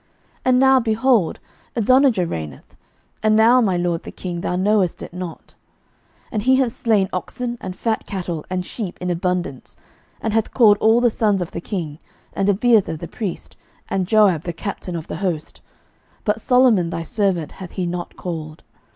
11:001:018 And now, behold, Adonijah reigneth; and now, my lord the king, thou knowest it not: 11:001:019 And he hath slain oxen and fat cattle and sheep in abundance, and hath called all the sons of the king, and Abiathar the priest, and Joab the captain of the host: but Solomon thy servant hath he not called.